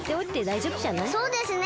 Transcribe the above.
そうですね